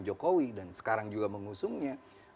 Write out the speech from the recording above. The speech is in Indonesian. jokowi dan sekarang juga mengusungnya